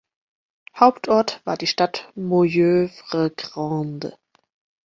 Hauptort war die Stadt Moyeuvre-Grande.